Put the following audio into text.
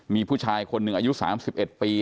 มีผู้ชายคนหนึ่งอายุ๓๑ปี